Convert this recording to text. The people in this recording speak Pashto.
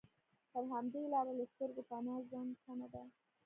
پر همدې لاره له سترګو پناه ځم، سمه ده.